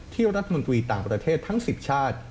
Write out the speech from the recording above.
รัฐมนตรีต่างประเทศทั้ง๑๐ชาติ